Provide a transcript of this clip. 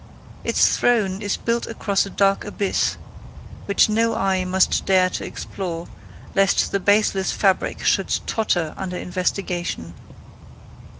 Its throne is built across a dark abyss, which no eye must dare to explore, lest the baseless fabric should totter under investigation.